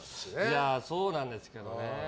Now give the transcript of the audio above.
いや、そうなんですけどね。